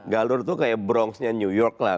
galur itu kayak bronxnya new york lah